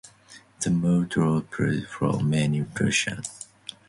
The move drew protests from many Russians.